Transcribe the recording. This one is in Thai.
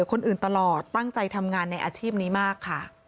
แม่ของผู้ตายก็เล่าถึงวินาทีที่เห็นหลานชายสองคนที่รู้ว่าพ่อของตัวเองเสียชีวิตเดี๋ยวนะคะ